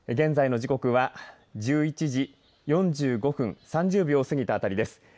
現在の時刻は１１時４５分を過ぎたあたりです。